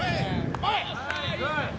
はい！